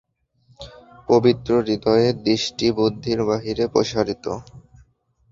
পবিত্র হৃদয়ের দৃষ্টি বুদ্ধির বাহিরে প্রসারিত।